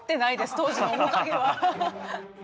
当時の面影は。